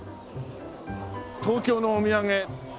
東京のお土産。